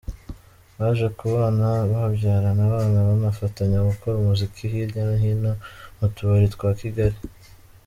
Baje kubana babyarana abana, banafatanya gukora umuziki hirya no hino mu tubari twa Kigali.